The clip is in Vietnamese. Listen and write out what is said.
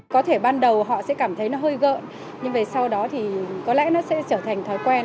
có thể ban đầu họ sẽ cảm thấy nó hơi gợn nhưng về sau đó thì có lẽ nó sẽ trở thành thói quen